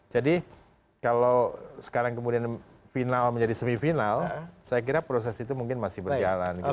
jadi kalau sekarang kemudian final menjadi semifinal saya kira proses itu mungkin masih berjalan